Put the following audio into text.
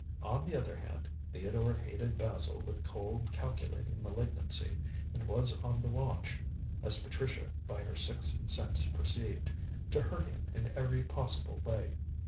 On the other hand, Theodore hated Basil with cold, calculating malignancy, and was on the watch as Patricia by her sixth sense perceived to hurt him in every possible way.